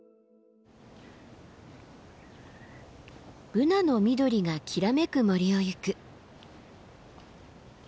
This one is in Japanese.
ブナの緑がきらめく森を行く。